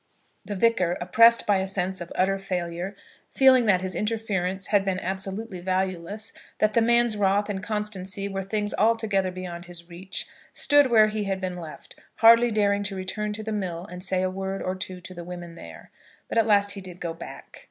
The Vicar, oppressed by a sense of utter failure, feeling that his interference had been absolutely valueless, that the man's wrath and constancy were things altogether beyond his reach, stood where he had been left, hardly daring to return to the mill and say a word or two to the women there. But at last he did go back.